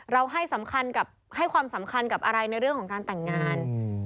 ให้ความสำคัญกับอะไรในเรื่องของการแต่งงาน